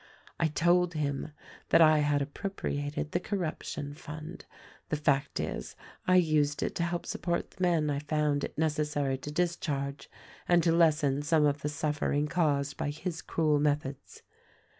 "I told him that I had appropriated the corruption fund. The fact is I used it to help support the men I found it necessary to discharge and to lessen some of the suffering caused by his cruel methods.